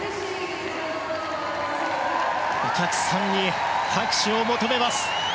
お客さんに拍手を求めます。